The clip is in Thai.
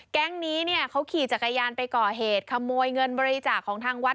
แก๊งนี้เนี่ยเขาขี่จักรยานไปก่อเหตุขโมยเงินบริจาคของทางวัด